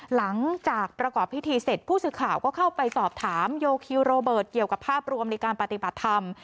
หลังจากประกอบพิธีเสร็จผู้สื่อข่าวก็เข้าไปสอบถามโยคิวโรเบิร์ตเกี่ยวกับภาพรวมในการปฏิบัติธรรม